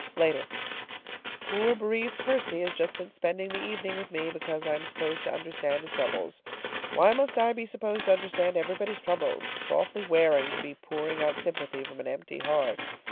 LATER. Poor bereaved Percy has just been spending the evening with me, because I am supposed to understand his troubles. Why must I be supposed to understand everybody's troubles? It's awfully wearing to be pouring out sympathy from an empty heart.